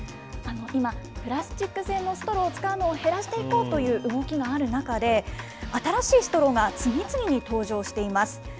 今、プラスチック製のストローを使うのを減らしていこうという動きがある中で、新しいストローが次々に登場しています。